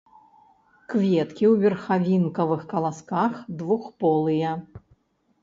Кветкі ў верхавінкавых каласках, двухполыя.